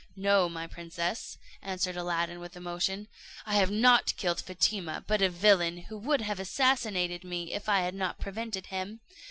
"No, my princess," answered Aladdin with emotion, "I have not killed Fatima, but a villain, who would have assassinated me, if I had not prevented him.